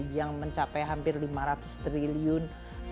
yang mencapai hampir lima ratus triliun